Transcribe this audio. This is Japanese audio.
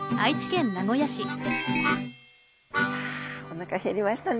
おなか減りましたね。